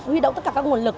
huy động tất cả các nguồn lực